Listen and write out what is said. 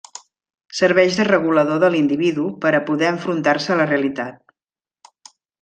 Serveix de regulador de l'individu per a poder enfrontar-se a la realitat.